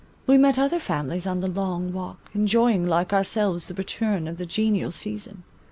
We met other families on the Long Walk, enjoying like ourselves the return of the genial season.